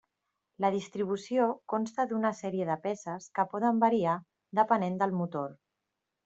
La distribució consta d'una sèrie de peces que poden variar depenent del motor.